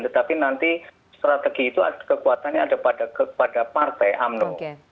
tetapi nanti strategi itu kekuatannya ada pada partai umno